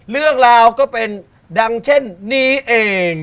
เรื่องราวก็เป็นดังเช่นนี้เอง